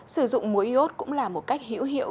sử dụng muối y ốt cũng là một cách hữu hiệu